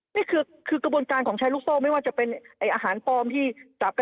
นี่คือกระบวนการของใช้ลูกโซ่ไม่ว่าจะเป็นอาหารปลอมที่จับ